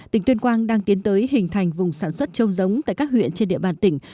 tỉnh tuyên quang đang tiến tới hình thành vùng sản xuất châu giống tại các huyện trên địa bàn tỉnh